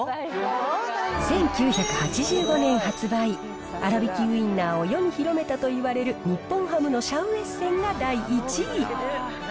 １９８５年発売、あらびきウインナーを世に広めたといわれる日本ハムのシャウエッセンが第１位。